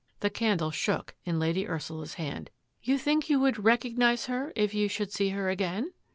The candle shook In Lady Ursula's hand. " You think you would recognise her If you should see her again?